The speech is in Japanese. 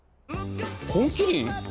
「本麒麟」